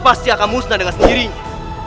pasti akan musnah dengan sendirinya